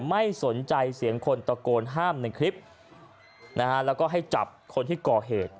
ไม่สนใจเสียงคนตะโกนห้ามในคลิปนะฮะแล้วก็ให้จับคนที่ก่อเหตุ